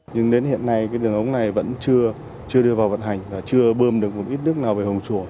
nhưng đến hiện nay đường ống này vẫn chưa đưa vào vận hành chưa bơm được một ít nước nào về hồ chùa